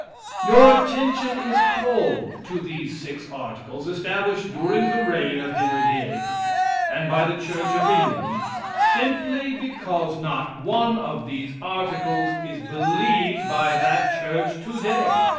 Your attention is called to these six articles, established during the reign of Henry VIII, and by the Church of England, simply because not one of these articles is believed by that church today.